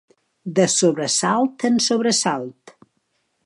De sobresalt en sobresalt.